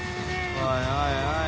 おいおいおい。